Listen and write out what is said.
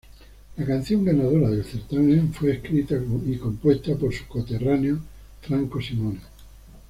La canción ganadora del certamen fue escrita compuesta por su coterráneo, Franco Simone.